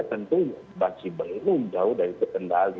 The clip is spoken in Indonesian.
tentu masih belum jauh dari terkendali